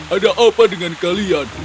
ada apa dengan kalian